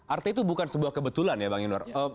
artinya itu bukan sebuah kebetulan ya bang inur